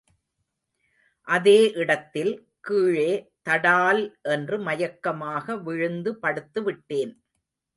அதே இடத்தில் கீழே தடால் என்று மயக்கமாக விழுந்து படுத்து விட்டேன்.